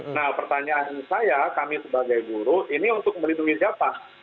nah pertanyaan saya kami sebagai guru ini untuk melindungi siapa